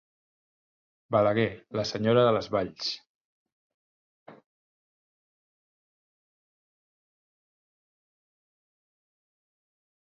Balaguer, la senyora de les valls.